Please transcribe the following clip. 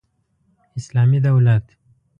اسلامي دولت